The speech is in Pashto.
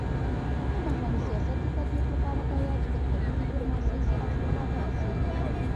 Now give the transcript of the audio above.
د بهرني سیاست د تطبيق لپاره باید د قوي ډيپلوماسی څخه استفاده وسي.